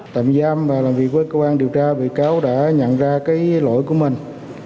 tạm giam và làm việc với cơ quan điều tra bị cáo đã nhận ra cái lỗi của mình